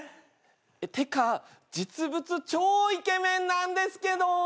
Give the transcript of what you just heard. ってか実物超イケメンなんですけど！